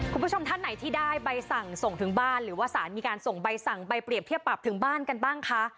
คุณผู้ชมท่านไหนที่ได้ใบสั่งส่งถึงบ้านหรือว่าสารมีการส่งใบสั่งใบเปรียบเทียบปรับถึงบ้านกันบ้างคะ